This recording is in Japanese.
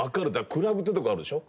クラブっていう所あるでしょ。